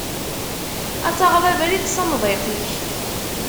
Ad taɣeḍ abrid s amḍiq-ik.